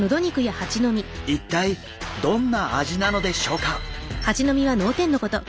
一体どんな味なのでしょうか？